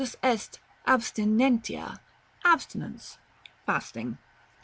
" Abstinentia. Abstinence (fasting).